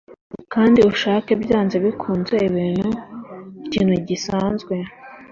kandi ushake, byanze bikunze, ikintu gisanzwe